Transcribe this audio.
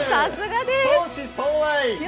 相思相愛！